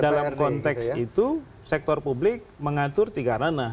dalam konteks itu sektor publik mengatur tiga ranah